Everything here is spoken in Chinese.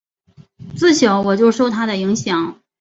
自小我就受他的影响